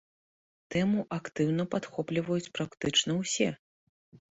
Тэму актыўна падхопліваюць практычна ўсе.